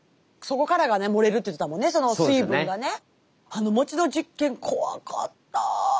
あの餅の実験怖かった。